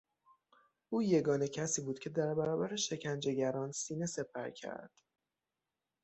او یگانه کسی بود که در برابر شکنجهگران سینه سپر کرد.